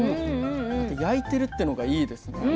また焼いてるってのがいいですね。